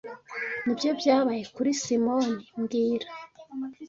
Nibyo byabaye kuri Simoni mbwira